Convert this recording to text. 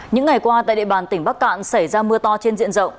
những ngày qua tại địa bàn tỉnh bắc cạn xảy ra mưa to trên diện rộng